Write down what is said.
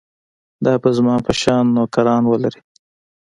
دا به زما په شان نوکران ولري.